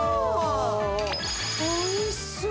おいしそう！